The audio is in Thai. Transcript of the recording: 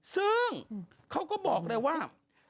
ซึ่งเขาก็บอกเลยว่า